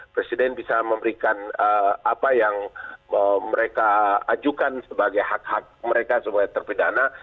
presiden bisa memberikan apa yang mereka ajukan sebagai hak hak mereka sebagai terpidana